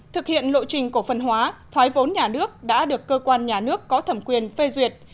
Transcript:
thực hiện lộ trình cổ phần hóa thoái vốn nhà nước đã được cơ quan nhà nước có thẩm quyền phê duyệt